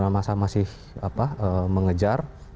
masa masih apa mengejar